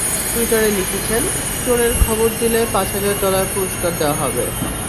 টুইটারে লিখেছেন, চোরের খবর দিলে পাঁচ হাজার ডলার পুরস্কার দেওয়া হবে।